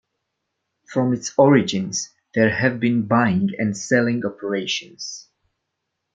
From its origins, there have been buying and selling operations.